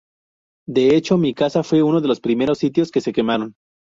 De hecho, mi casa fue uno de los primeros sitios que se quemaron".